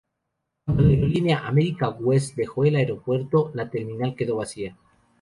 Cuando la aerolínea, America West dejó el aeropuerto, la terminal quedó vacía.